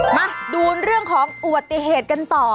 มาดูเรื่องของอุบัติเหตุกันต่อ